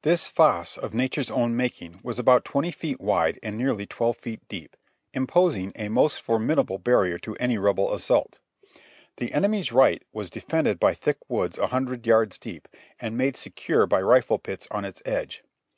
This fosse of Nature's own making was about twenty feet wide and nearly twelve feet deep, imposing a most formidable barrier to any Rebel assault. The enemy's right was defended by thick woods a hundred yards deep, and made secure by rifle pits on its edge.